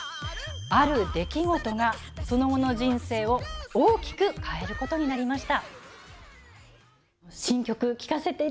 ある出来事が、その後の人生を大きく変えることになりました。